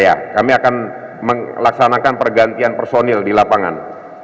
ya kami akan melaksanakan pergantian personil di lapangan